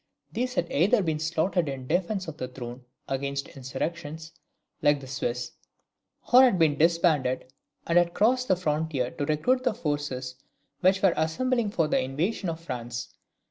These had either been slaughtered in defence of the throne against insurrections, like the Swiss; or had been disbanded, and had crossed the frontier to recruit the forces which were assembling for the invasion of France.